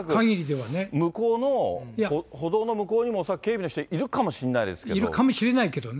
向こうの、歩道の向こうにも、恐らく警備の人、いるかもしれないですけど。